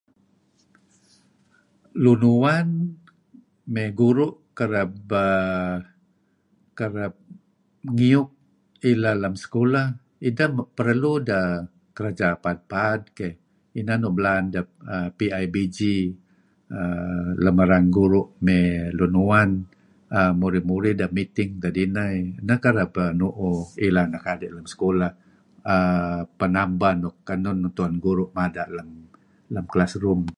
Lun uwan mey guru' kereb err kereb ngiyuk ileh lem sekulah perlu ideh kerja paad-paad keh , inah nuk belaan deh PIBG err lem erang guru' mey lun uwan err murih-murih ideh meeting tad inah, nah kereb nu'uh ileh anak adi' lem sekulah err peh nambah nuk tu'en guru' ngajar lem classroom.